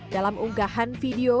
dalam unggahan video